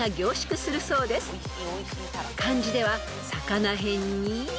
［漢字では魚へんに？］